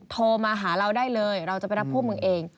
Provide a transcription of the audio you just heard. โทรมาหาเราได้เลยเราจะไปรับพวกมึงเอง